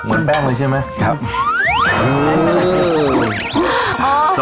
เหมือนแป้งเลยใช่ไหม